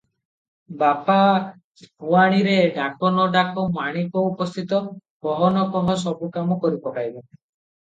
ବାହା ପୁଆଣିରେ ଡାକ ନ ଡାକ ମାଣିକ ଉପସ୍ଥିତ, କହ ନ କହ ସବୁ କାମ କରିପକାଇବ ।